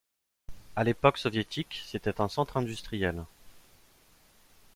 À l'époque soviétique, c'était un centre industriel.